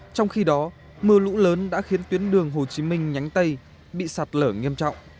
trong khi đó mưa lũ lớn đã khiến tuyến đường hồ chí minh nhánh tây bị sạt lở nghiêm trọng